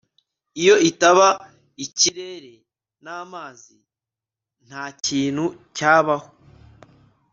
Iyo itaba ikirere namazi ntakintu cyabaho